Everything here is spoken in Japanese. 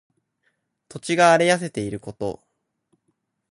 土地が荒れ痩せていること。